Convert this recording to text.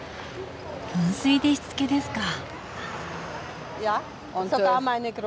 噴水でしつけですか。